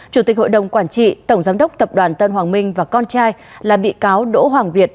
chủ tịch hội đồng quản trị tổng giám đốc tập đoàn tân hoàng minh và con trai là bị cáo đỗ hoàng việt